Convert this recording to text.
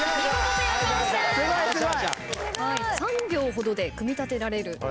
３秒ほどで組み立てられる。